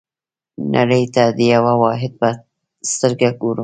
نړۍ ته د یوه واحد په سترګه ګورم.